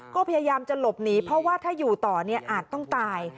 ก็พยายามจะหลบหนีเพราะว่าถ้าอยู่ต่อเนี่ยอาจต้องตาย